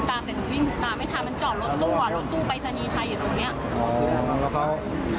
ใช่ใส่เสื้อไปรษณีย์แต่กางเกงอีกจะไม่ได้จริง